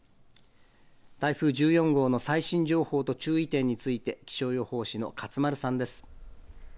台風１４号の最新情報と注意点について気象予報士の勝丸さんです。